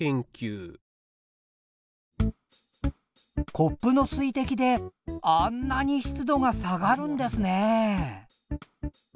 コップの水滴であんなに湿度が下がるんですね！